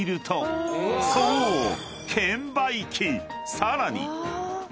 ［さらに］